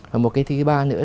và một cái thứ ba nữa